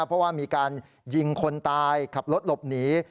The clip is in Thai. เพราะว่ามีการยิงคนตายขับรถหลบหนี